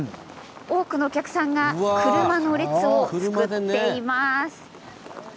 多くのお客さんが車の列を作っています。